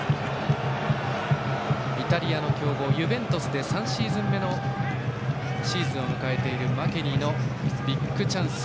イタリアの強豪ユベントスで３シーズン目を迎えているマケニーのビッグチャンス。